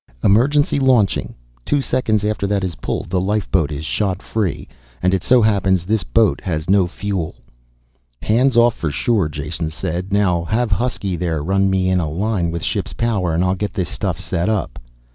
"Emergency launching. Two seconds after that is pulled the lifeboat is shot free. And it so happens this boat has no fuel." "Hands off for sure," Jason said. "Now have Husky there run me in a line with ship's power and I'll get this stuff set up."